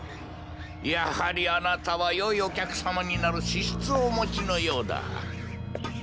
やはりあなたは良いお客様になる資質をお持ちのようだ。